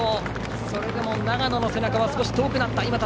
それでも長野の背中は遠くなった。